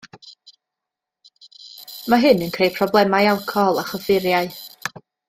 Mae hyn yn creu problemau alcohol a chyffuriau